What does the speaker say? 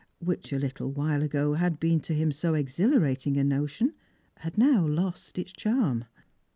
which a little while ago had been to him so ex hilarating a notion, had now lost its charm.